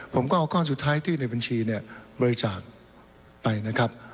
ผมก็เอาก้อนสุดท้ายที่ในบัญชีเนี่ยบริจาคไปนะครับ